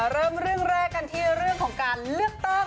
เริ่มเรื่องแรกกันที่เรื่องของการเลือกตั้ง